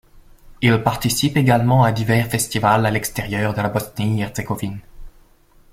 Il participe également à divers festivals à l'extérieur de la Bosnie-Herzégovine.